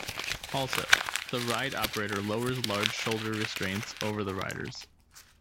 Also, the ride operator lowers large shoulder restraints over the riders.